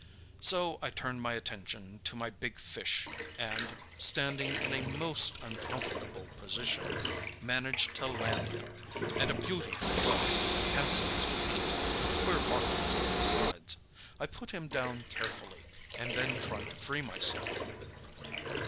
So I turned my attention to my big fish, and—standing in a most uncomfortable position—managed to land him; and a beauty he was, handsome as paint, with queer markings on his sides. I put him down carefully, and then tried to free myself.